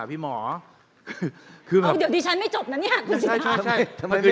พี่หมอคือเดี๋ยวดิฉันไม่จบนะเนี่ยคุณสิทธาใช่ใช่ใช่